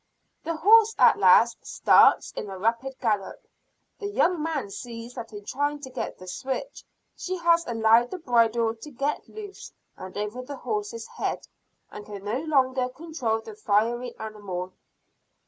The horse at last starts in a rapid gallop. The young man sees that in trying to get the switch, she has allowed the bridle to get loose and over the horse's head, and can no longer control the fiery animal.